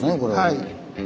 はい。